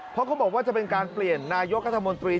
เพราะเขาบอกว่าจะเป็นการเปลี่ยนนายกรัฐมนตรี